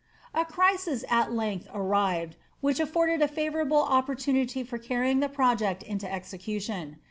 A crisis at length arrived, which afforded a fiivourable opportunity for carrying the project into execution.